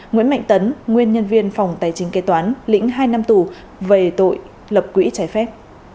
nguyễn mạnh tấn nguyên nhân viên phòng tài chính kế toán lĩnh hai năm tù về tội lập quỹ trái phép